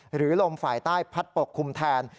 หรือลมฝ่ายใต้พัดปกคลุมแทน